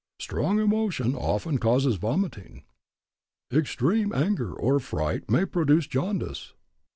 Strong mental emotion often causes vomiting. Extreme anger or fright may produce jaundice.